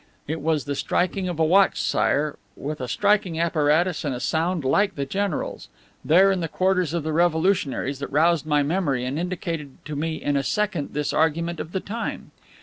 "It was the striking of a watch, Sire, with a striking apparatus and a sound like the general's, there in the quarters of the revolutionaries, that roused my memory and indicated to me in a second this argument of the time.